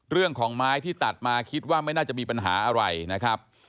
เรื่องของไม้ที่ตัดมาคิดว่าไม่น่าจะมีปัญหาอะไรนะครับ